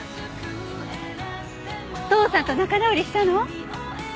父さんと仲直りしたの？